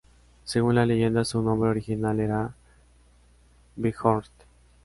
Según la leyenda su nombre original era "Björn".